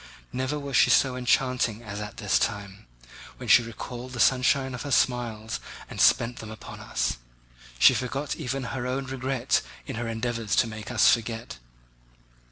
Never was she so enchanting as at this time, when she recalled the sunshine of her smiles and spent them upon us. She forgot even her own regret in her endeavours to make us forget.